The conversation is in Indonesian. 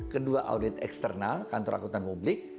kedua audit eksternal kantor akutan publik